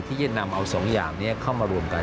ที่จะนำเอาสองอย่างนี้เข้ามารวมกัน